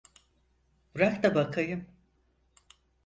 Bırak da bakayım.